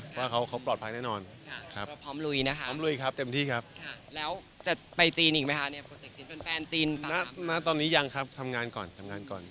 ว่าเขาปลอดภัยแน่นอน